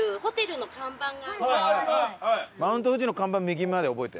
「マウント富士の看板右」まで覚えて。